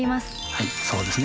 はいそうですね。